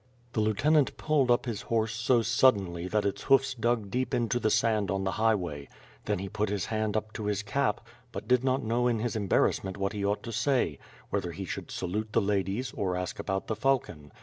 The lieutenant pulled up his horse so suddenly that its hoo fs dug deep into the sand on the highway. Then he put his hand up to his cap, but did not know in his embarrass ment what he ought to say; — whether he should salute the ladies, or ask about the falcon.